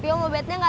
aku mau beli cilok